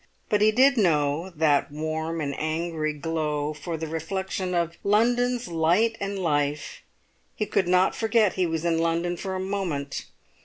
But he did know that warm and angry glow for the reflection of London's light and life; he could not forget he was in London for a moment.